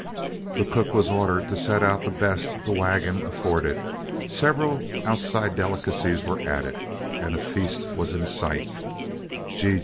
The cook was ordered to set out the best the wagon afforded, several outside delicacies were added, and a feast was in sight.